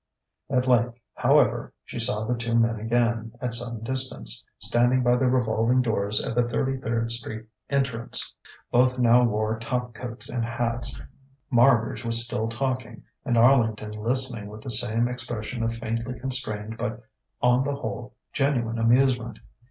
At length, however, she saw the two men again, at some distance, standing by the revolving doors at the Thirty third Street entrance. Both now wore top coats and hats. Marbridge was still talking, and Arlington listening with the same expression of faintly constrained but on the whole genuine amusement.